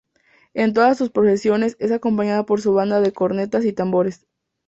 En todas sus procesiones es acompañada por su Banda de Cornetas y Tambores.